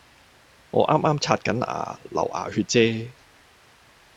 我啱啱刷緊牙，流牙血啫